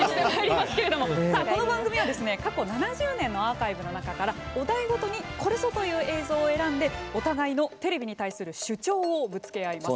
この番組は過去７０年のアーカイブからお題ごとにこれぞという映像を選んでお互いのテレビに対する主張をぶつけ合います。